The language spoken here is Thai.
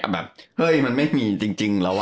แบบเฮ้ยมันไม่มีจริงแล้ว